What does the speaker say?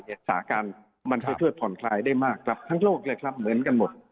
สาการมันจะช่วยผ่อนคลายได้มากครับทั้งโลกเลยครับเหมือนกันหมด